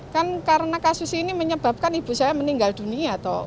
kan karena kasus ini menyebabkan ibu saya meninggal dunia